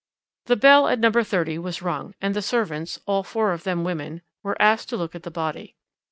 "The bell at No. 30 was rung, and the servants all four of them women were asked to look at the body.